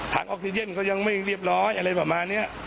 ออกซิเจนก็ยังไม่เรียบร้อยอะไรประมาณนี้